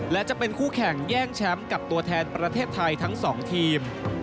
และจะเป็นคู่แข่งแย่งแชมป์กับตัวแทนประเทศไทยทั้ง๒ทีม